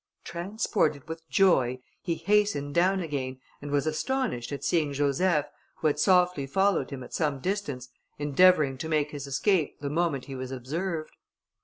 Transported with joy, he hastened down again, and was astonished at seeing Joseph, who had softly followed him at some distance, endeavouring to make his escape the moment he was observed.